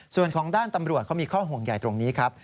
ส่วนของด้านตำรวจเขามีข้อห่วงใหญ่ตรงนี้ครับ